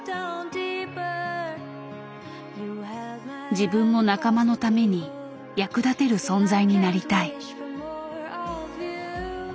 自分も仲間のために役立てる存在になりたい。